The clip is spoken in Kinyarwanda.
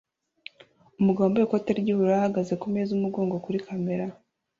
Umugabo wambaye ikoti ry'ubururu ahagaze kumeza umugongo kuri kamera